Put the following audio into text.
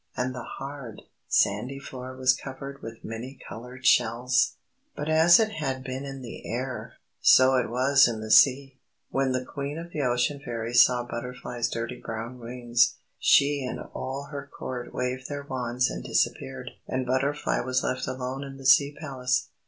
And the hard, sandy floor was covered with many coloured shells. But as it had been in the Air, so it was in the Sea! When the Queen of the Ocean Fairies saw Butterfly's dirty brown wings, she and all her Court waved their wands and disappeared. And Butterfly was left alone in the Sea Palace.